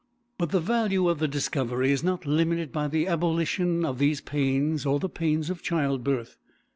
But the value of the discovery is not limited by the abolition of these pains or the pains of childbirth.